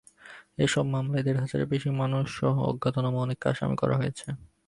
এসব মামলায় দেড় হাজারের বেশি মানুষসহ অজ্ঞাতনামা অনেককে আসামি করা হয়েছে।